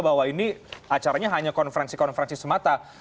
bahwa ini acaranya hanya konferensi konferensi semata